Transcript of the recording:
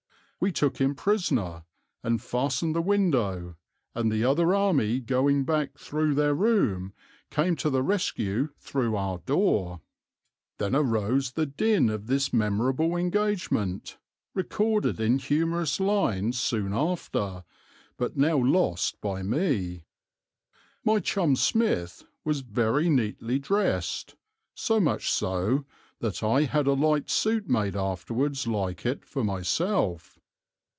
We took him prisoner, and fastened the window, and the other army going back through their room came to the rescue through our door. Then arose the din of this memorable engagement, recorded in humorous lines soon after, but now lost by me. My chum Smith was very neatly dressed, so much so that I had a light suit made afterwards like it for myself.